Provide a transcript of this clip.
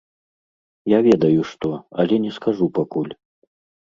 Я ведаю што, але не скажу пакуль.